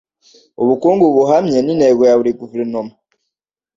Ubukungu buhamye nintego ya buri guverinoma.